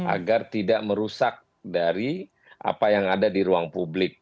agar tidak merusak dari apa yang ada di ruang publik